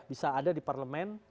bisa ada di parlemen